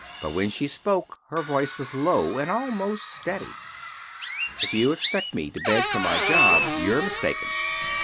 But when she spoke, her voice was low and almost steady. "If you expect me to beg you for my job, you're mistaken.